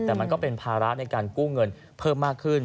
แต่มันก็เป็นภาระในการกู้เงินเพิ่มมากขึ้น